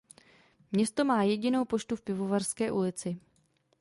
Město má jedinou poštu v Pivovarské ulici.